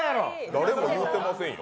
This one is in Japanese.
誰も言ってませんよ。